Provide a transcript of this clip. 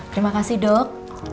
terima kasih dok